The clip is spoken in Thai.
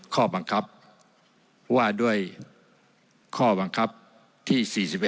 ข้อบังคับว่าด้วยข้อบังคับที่๔๑